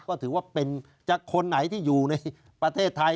ก็ถือว่าเป็นคนไหนที่อยู่ในประเทศไทย